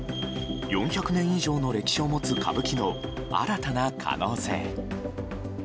４００年以上の歴史を持つ歌舞伎の新たな可能性。